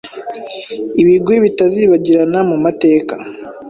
ibigwi bitazibagirana mu mateka